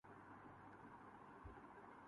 یہ بلکل صحیح جواب ہے۔